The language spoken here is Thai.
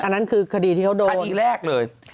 อันนั้นคือคดีที่เขาโดนคดีแรกเลย